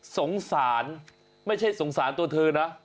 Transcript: สงสารไม่ใช่สงสารตัวเธอนะ